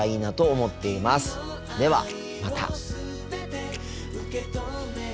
ではまた。